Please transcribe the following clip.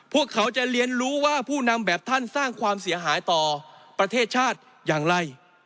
พวกเขาจะเรียนรู้ว่าผู้นำแบบท่านสร้างความเสียหายต่อประเทศชาติอย่างไร